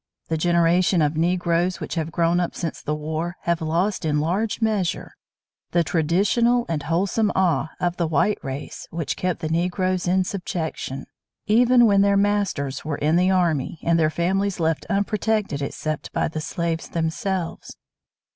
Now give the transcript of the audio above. The generation of Negroes which have grown up since the war have lost in large measure the traditional and wholesome awe of the white race which kept the Negroes in subjection, even when their masters were in the army, and their families left unprotected except by the slaves themselves.